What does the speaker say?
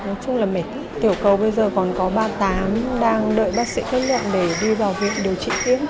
nói chung là mẹ tiểu cầu bây giờ còn có ba mươi tám đang đợi bác sĩ kết luận để đi vào viện điều trị tiếp